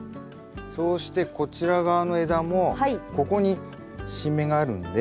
そうしてこちら側の枝もここに新芽があるんで。